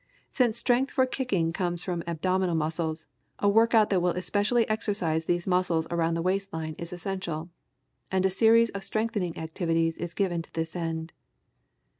Since strength for kicking comes from the abdominal muscles, a workout that will especially exercise these muscles around the waist line is essential, and a series of strengthening activities is given to this end.